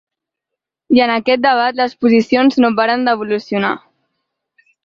I en aquest debat les posicions no paren d’evolucionar.